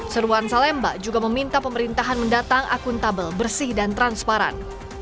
seruan salemba juga meminta pemerintahan mendatang akuntabel bersih dan transparan